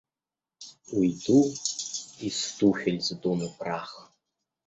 Уйду и с туфель сдуну прах.